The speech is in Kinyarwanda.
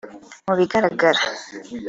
Mu bigaragara